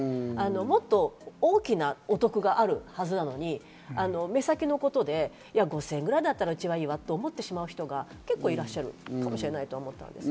もっと大きなお得があるはずなのに、目先のことで、５０００円ぐらいだったら、うちはいいわと思ってしまう人が結構いらっしゃるかもしれないと思ってます。